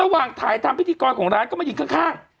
ระหว่างถ่ายธาร์ธิภิกษาการของร้านก็มาหยินข้าง